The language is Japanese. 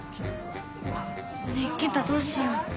ねえ健太どうしよう？